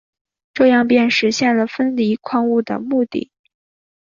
这样便实现了分离矿物的目的。